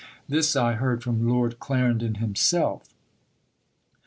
This I heard from Lord Clarendon himself....